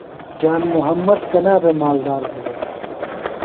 جان محمد کنا بھےۡ مالدار بِھلوۡ؟